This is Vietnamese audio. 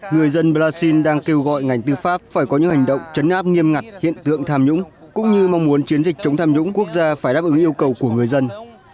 người dân brazil đang kêu gọi ngành tư pháp phải có những hành động chấn áp nghiêm ngặt hiện tượng tham nhũng cũng như mong muốn chiến dịch chống tham nhũng quốc gia phải đáp ứng yêu cầu của người dân